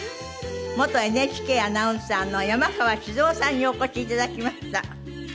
元ＮＨＫアナウンサーの山川静夫さんにお越し頂きました。